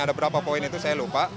ada berapa poin itu saya lupa